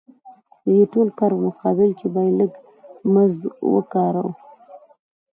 د دې ټول کار په مقابل کې به یې لږ مزد ورکاوه